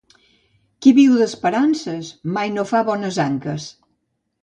Qui viu d'esperances, mai no fa bones anques.